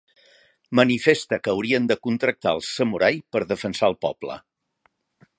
Manifesta que haurien de contractar els samurai per defensar el poble.